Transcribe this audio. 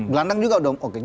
belandang juga udah oke